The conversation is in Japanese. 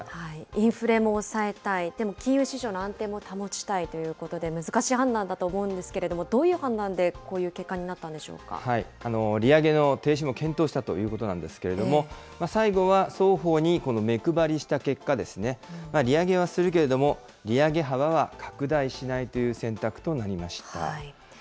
インフレも抑えたい、でも金融市場の安定も保ちたいということで、難しい判断だと思うんですけれども、どういう判断でこうい利上げの停止も検討したということなんですけれども、最後は双方にこの目配りした結果、利上げはするけれども、利上げ幅は拡大しないという選択となりました。